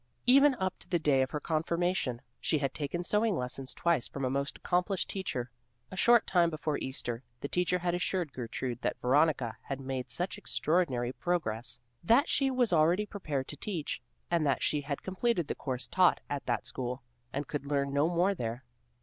Even up to the day of her confirmation, she had taken sewing lessons twice from a most accomplished teacher. A short time before Easter, the teacher had assured Gertrude that Veronica had made such extraordinary progress, that she was already prepared to teach, and that she had completed the course taught at that school, and could learn no more there.